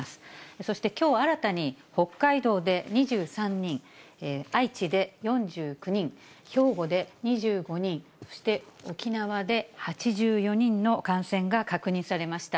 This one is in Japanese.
そして、きょう新たに北海道で２３人、愛知で４９人、兵庫で２５人、そして沖縄で８４人の感染が確認されました。